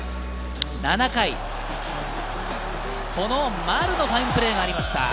７回、この丸のファインプレーがありました。